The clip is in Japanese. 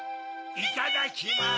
いただきます！